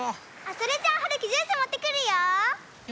それじゃあはるきジュースもってくるよ。